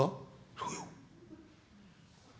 「そうよ」。